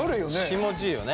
気持ちいいよね。